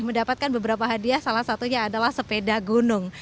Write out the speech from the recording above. mendapatkan beberapa hadiah salah satunya adalah sepeda gunung